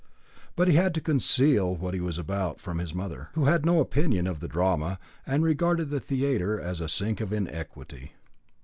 But he had to conceal what he was about from his mother, who had no opinion of the drama, and regarded the theatre as a sink of iniquity.